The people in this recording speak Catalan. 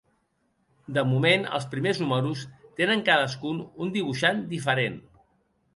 De moment els primers números tenen cadascun un dibuixant diferent.